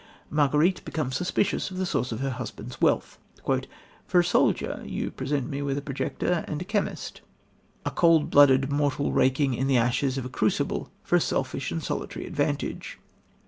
Marguerite becomes suspicious of the source of her husband's wealth: "For a soldier you present me with a projector and a chemist, a cold blooded mortal raking in the ashes of a crucible for a selfish and solitary advantage."